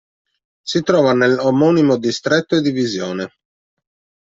Si trova nel omonimo distretto e divisione.